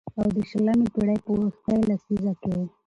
او د شلمې پېړۍ په وروستۍ لسيزه کې